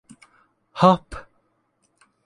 Hop!